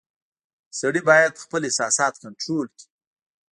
• سړی باید خپل احساسات کنټرول کړي.